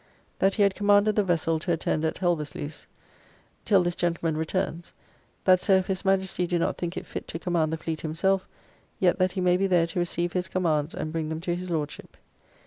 That he had commanded the vessel to attend at Helversluce [Hellevoetsluis, in South Holland] till this gentleman returns, that so if his Majesty do not think it fit to command the fleet himself, yet that he may be there to receive his commands and bring them to his Lordship.